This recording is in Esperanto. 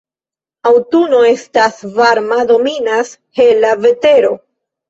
Aŭtuno estas varma, dominas hela vetero.